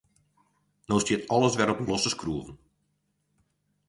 No stiet alles wer op losse skroeven.